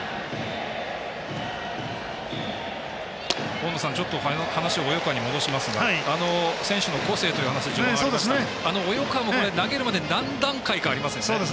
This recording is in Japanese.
大野さん、話を及川に戻しますが、選手の個性という話がありましたが投げるまでに何段階かありますね。